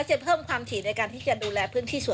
อยู่ในการดูแล